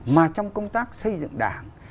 mà trong công tác xây dựng đảng